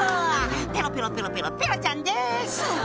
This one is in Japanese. ペロペロペロペロペロちゃんです」